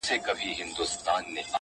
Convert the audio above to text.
دا د قسمت په حوادثو کي پېیلی وطن!!